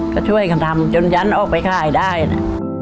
ก็ช่วยกันทำจนยันออกไปขายได้นะ